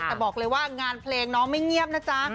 แต่บอกเลยว่างานเพลงน้องไม่เงียบนะจ๊ะ